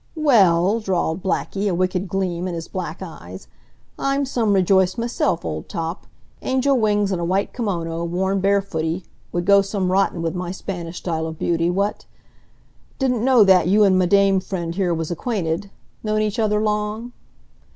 "Well," drawled Blackie, a wicked gleam in his black eyes, "I'm some rejoiced m'self, old top. Angel wings and a white kimono, worn bare footy, would go some rotten with my Spanish style of beauty, what? Didn't know that you and m'dame friend here was acquainted. Known each other long?"